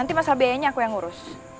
nanti pasal biayanya aku yang urus